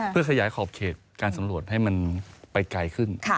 เพื่อขยายขอบเขตการสำรวจให้มันไปไกลขึ้น